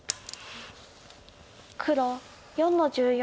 黒４の十四。